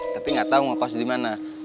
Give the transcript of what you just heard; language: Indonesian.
tapi gak tau ngekos di mana